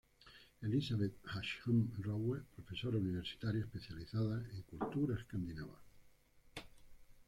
Elizabeth Ashman Rowe, profesora universitaria especializada en cultura escandinava.